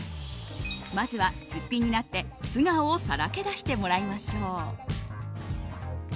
まずはすっぴんになって、素顔をさらけ出してもらいましょう。